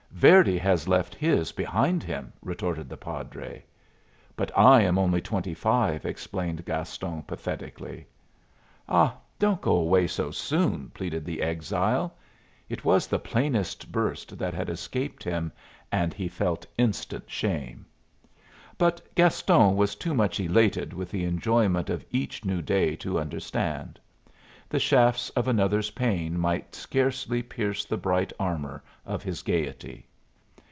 "Verdi has left his behind him," retorted the padre. "But I am only twenty five," explained Gaston, pathetically. "Ah, don't go away soon!" pleaded the exile. It was the plainest burst that had escaped him, and he felt instant shame. But Gaston was too much elated with the enjoyment of each new day to understand. The shafts of another's pain might scarcely pierce the bright armor of his gayety.